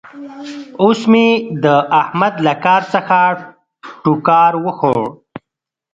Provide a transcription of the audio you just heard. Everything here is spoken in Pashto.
اوس مې د احمد له کار څخه ټوکار وخوړ.